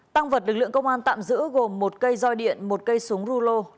tăng vật lực lượng công an tạm giữ gồm một cây roi điện một cây súng rulo